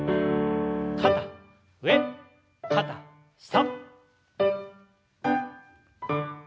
肩上肩下。